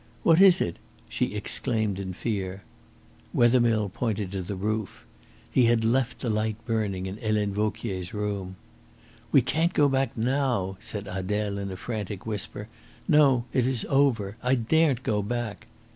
"What is it?" she exclaimed in fear. Wethermill pointed to the roof. He had left the light burning in Helene Vauquier's room. "We can't go back now," said Adele in a frantic whisper. "No; it is over. I daren't go back."